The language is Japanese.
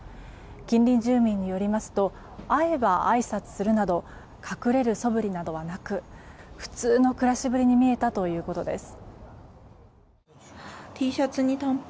近隣住民によりますと会えばあいさつするなど隠れるそぶりなどはなく普通の暮らしぶりに見えたということです。